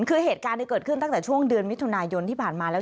คือเหตุการณ์ที่เกิดขึ้นตั้งแต่ช่วงเดือนมิถุนายนที่ผ่านมาแล้ว